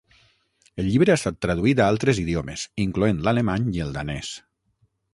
El llibre ha estat traduït a altres idiomes, incloent l'alemany i el danès.